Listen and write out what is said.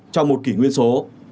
trong một kỷ nguyên số